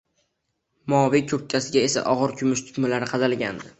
Moviy kurtkasiga esa ogʻir kumush tugmalar qadalgandi.